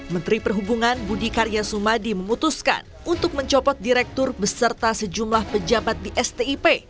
menteri perhubungan budi karya sumadi memutuskan untuk mencopot direktur beserta sejumlah pejabat di stip